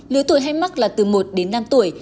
lứa tuổi hay mắc là từ một đến năm tuổi